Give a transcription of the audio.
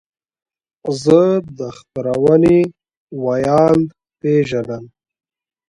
زه د خپرونې ویاند پیژنم.